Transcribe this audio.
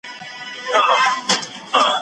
تاسو باید تل د حق خبره په زړورتیا سره وکړئ.